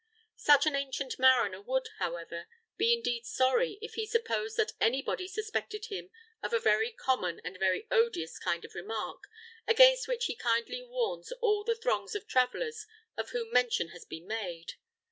Such an ancient mariner would, however, be indeed sorry if he supposed that anybody suspected him of a very common and very odious kind of remark, against which he kindly warns all the throngs of travellers of whom mention has been made.